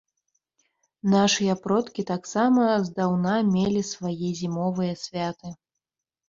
Нашыя продкі таксама здаўна мелі свае зімовыя святы.